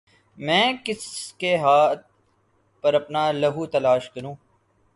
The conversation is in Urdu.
میں کس کے ہاتھ پر اپنا لہو تلاش کروں